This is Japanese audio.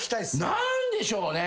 何でしょうね？